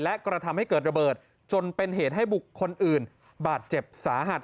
และกระทำให้เกิดระเบิดจนเป็นเหตุให้บุคคลอื่นบาดเจ็บสาหัส